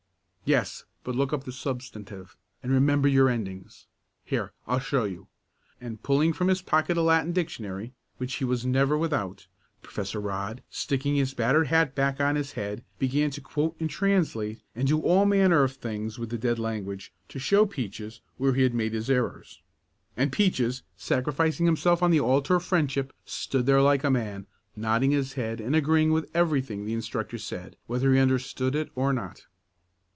"Yes, but look up the substantive, and remember your endings. Here I'll show you," and, pulling from his pocket a Latin dictionary, which he was never without, Professor Rodd, sticking his battered hat back on his head, began to quote and translate and do all manner of things with the dead language, to show Peaches where he had made his errors. And Peaches, sacrificing himself on the altar of friendship, stood there like a man, nodding his head and agreeing with everything the instructor said, whether he understood it or not.